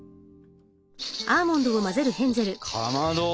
かまど！